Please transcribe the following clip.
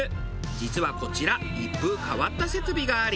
実はこちら一風変わった設備があり。